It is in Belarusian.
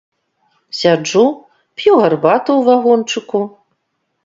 Сяджу, п'ю гарбату у вагончыку.